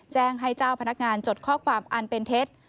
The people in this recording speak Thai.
แจ้งให้เจ้าพนักงานจดข้อความอันเป็นเท็จ